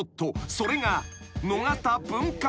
［それが］